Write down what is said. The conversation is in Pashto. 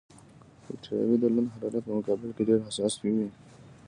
بکټریاوې د لوند حرارت په مقابل کې ډېرې حساسې وي.